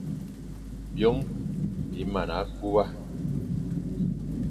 Byôm bi mana kuba.